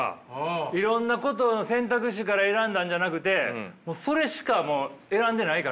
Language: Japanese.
いろんなことの選択肢から選んだんじゃなくてもうそれしかもう選んでないから。